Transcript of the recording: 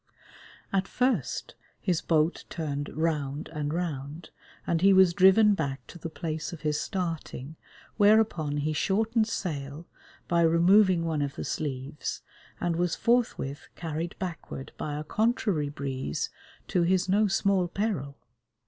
At first, his boat turned round and round, and he was driven back to the place of his starting, whereupon he shortened sail, by removing one of the sleeves, and was forthwith carried backward by a contrary breeze, to his no small peril.